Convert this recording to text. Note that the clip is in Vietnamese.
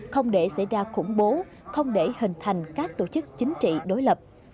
không để xảy ra khủng bố không để hình thành các tổ chức chính trị đối lập